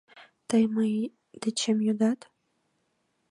Тый мый дечем йодат?